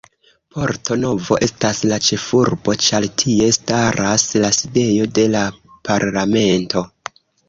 Porto Novo estas la ĉefurbo, ĉar tie staras la sidejo de la Parlamento.